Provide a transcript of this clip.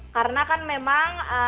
karena kan memang